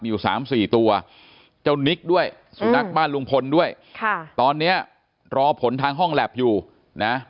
อยู่สามสี่ตัวเจ้านิกด้วยสุนัขบ้านลุงพลด้วยค่ะตอนนี้รอผลทางห้องแล็บอยู่นะ